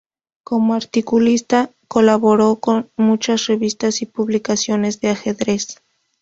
Como articulista, colaboró en muchas revistas y publicaciones de ajedrez.